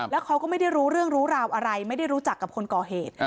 แล้วเขาก็ไม่ได้รู้เรื่องรู้ราวอะไรไม่ได้รู้จักกับคนก่อเหตุ